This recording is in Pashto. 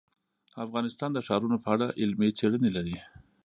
افغانستان د ښارونو په اړه علمي څېړنې لري.